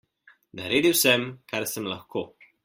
Naredil sem, kar sem lahko.